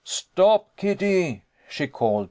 "Stop, Kitty!" she called.